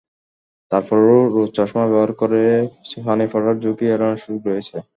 তার পরও রোদচশমা ব্যবহার করে ছানি পড়ার ঝুঁকি এড়ানোর সুযোগ রয়েছে।